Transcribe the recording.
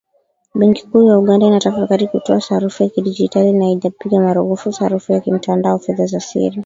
Benki kuu ya Uganda inatafakari kutoa sarafu ya kidigitali, na haijapiga marufuku sarafu ya kimtandao “fedha za siri."